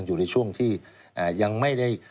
อยู่ในช่วงที่ยังไม่ได้